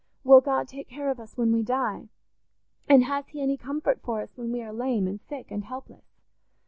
Will God take care of us when we die? And has he any comfort for us when we are lame and sick and helpless?